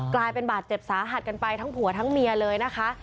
กลายเป็นบาดเจ็บสาหัสกันไปทั้งผัวทั้งเมียเลยนะคะ